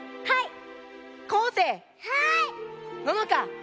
はい。